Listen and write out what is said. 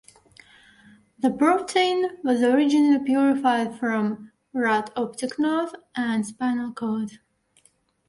The protein was originally purified from rat optic nerve and spinal cord.